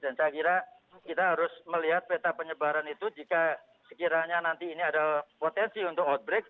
dan saya kira kita harus melihat peta penyebaran itu jika sekiranya nanti ini ada potensi untuk outbreak